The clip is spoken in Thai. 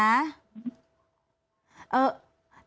ตอนที่เขาคบกันเป็นแฟนนี่